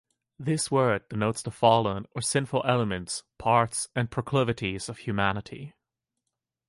This word denotes the fallen or sinful elements, parts, and proclivities of humanity.